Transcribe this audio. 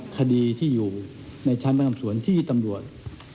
คดีที่อยู่ในชั้นต่างกลางส่วนที่ตำรวจ